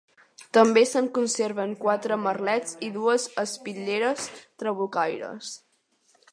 També se'n conserven quatre merlets i dues espitlleres trabucaires.